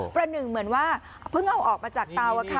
ประหนึ่งเหมือนว่าเพิ่งเอาออกมาจากเตา